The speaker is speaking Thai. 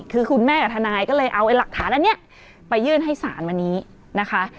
คือคุณแม่กับทนายก็เลยเอาหลักฐานอันนี้ไปยื่นให้ศาลวันนี้นะคะ